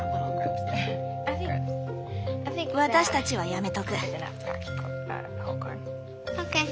私たちはやめとく。